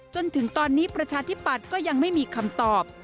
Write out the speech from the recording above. จนถึงตอนนี้ประชาธิปัตย์ก็ยังไม่มีคำตอบ